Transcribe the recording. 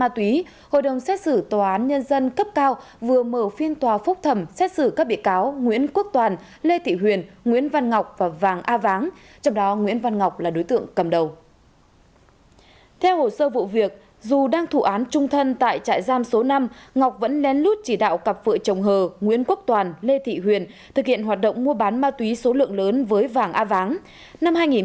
theo hồ sơ vụ việc dù đang thủ án trung thân tại trại giam số năm ngọc vẫn nén lút chỉ đạo cặp vợ chồng hờ nguyễn quốc toàn lê thị huyền thực hiện hoạt động mua bán ma túy số lượng lớn với vàng a váng